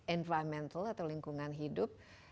environmental atau lingkungan hidup